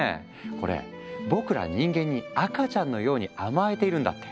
これ僕ら人間に赤ちゃんのように甘えているんだって。